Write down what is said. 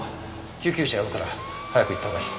救急車呼ぶから早く行ったほうがいい。